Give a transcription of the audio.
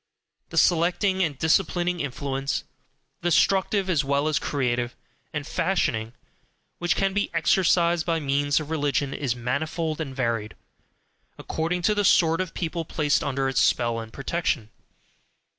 The selecting and disciplining influence destructive, as well as creative and fashioning which can be exercised by means of religion is manifold and varied, according to the sort of people placed under its spell and protection.